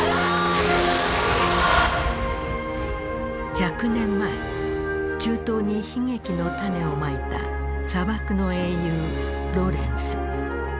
１００年前中東に悲劇の種をまいた砂漠の英雄ロレンス。